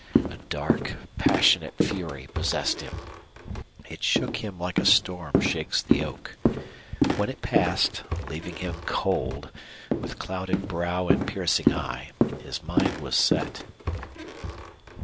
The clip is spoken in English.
A dark, passionate fury possessed him. It shook him like a storm shakes the oak. When it passed, leaving him cold, with clouded brow and piercing eye, his mind was set.